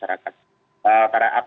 dari keterbalahan masyarakat